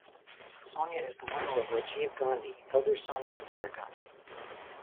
Sonia is the widow of Rajiv Gandhi, elder son of Indira Gandhi.